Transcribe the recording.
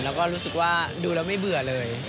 แล้วก็รู้สึกว่าดูแล้วไม่เบื่อเลย